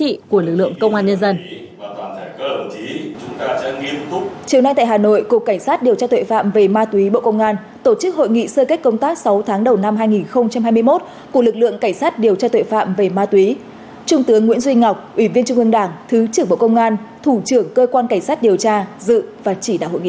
trước nay tại hà nội cục cảnh sát điều tra tuệ phạm về ma túy bộ công an tổ chức hội nghị sơ kết công tác sáu tháng đầu năm hai nghìn hai mươi một của lực lượng cảnh sát điều tra tuệ phạm về ma túy trung tướng nguyễn duy ngọc ủy viên trung ương đảng thứ trưởng bộ công an thủ trưởng cơ quan cảnh sát điều tra dự và chỉ đạo hội nghị